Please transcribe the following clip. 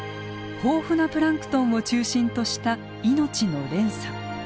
豊富なプランクトンを中心とした命の連鎖。